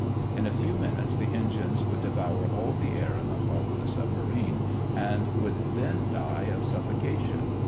In a few minutes the engines would devour all the air in the hull of the submarine and would then die of suffocation.